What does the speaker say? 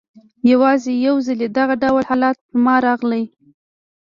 یوازي یو ځلې دغه ډول حالت پر ما راغلی.